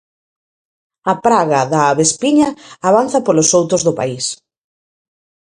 A praga da avespiña avanza polos soutos do país.